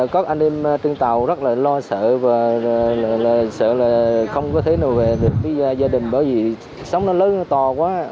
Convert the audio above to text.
các anh em trên tàu rất là lo sợ và sợ là không có thể nồ về được với gia đình bởi vì sóng nó lớn nó to quá